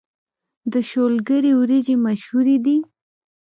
د شولګرې وريجې مشهورې دي